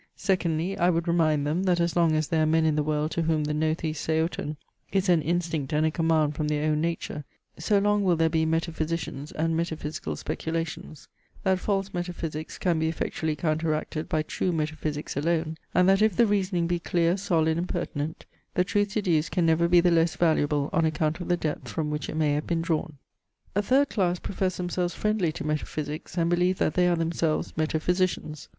Secondly, I would remind them, that as long as there are men in the world to whom the Gnothi seauton is an instinct and a command from their own nature, so long will there be metaphysicians and metaphysical speculations; that false metaphysics can be effectually counteracted by true metaphysics alone; and that if the reasoning be clear, solid and pertinent, the truth deduced can never be the less valuable on account of the depth from which it may have been drawn. A third class profess themselves friendly to metaphysics, and believe that they are themselves metaphysicians.